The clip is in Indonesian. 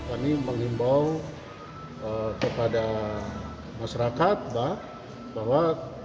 kami mengimbau kepada masyarakat bahwa